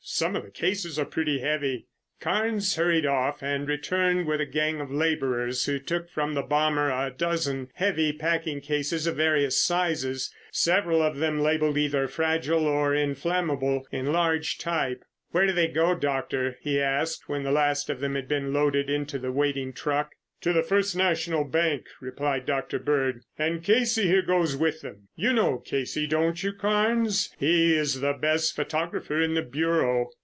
Some of the cases are pretty heavy." Carnes hurried off and returned with a gang of laborers, who took from the bomber a dozen heavy packing cases of various sizes, several of them labelled either "Fragile" or "Inflammable" in large type. "Where do they go, Doctor?" he asked when the last of them had been loaded onto the waiting truck. "To the First National Bank," replied Dr. Bird, "and Casey here goes with them. You know Casey, don't you, Carnes? He is the best photographer in the Bureau."